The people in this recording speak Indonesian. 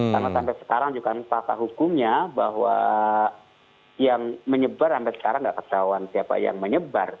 karena sampai sekarang juga ada paka hukumnya bahwa yang menyebar sampai sekarang tidak ada pengetahuan siapa yang menyebar